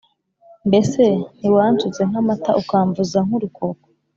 mbese ntiwansutse nk’amata, ukamvuza nk’urukoko’